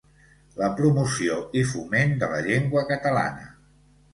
La promoció i foment de la llengua catalana.